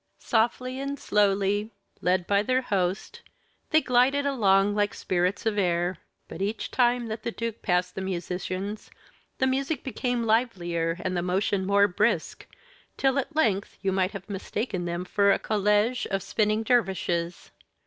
Softly and slowly, led by their host, they glided along like spirits of air; but each time that the duke passed the musicians, the music became livelier, and the motion more brisk, till at length you might have mistaken them for a college of spinning dervishes.